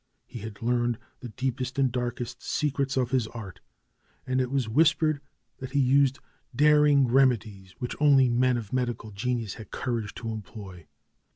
He had learned the deepest and darkest secrets of his art, and it was whispered that he used daring remedies which only men of medical genius had courage to employ.